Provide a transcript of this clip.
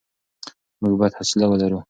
موږ بايد حوصله ولرو.